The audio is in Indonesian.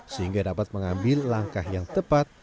sehingga dapat mengambil langkah yang tepat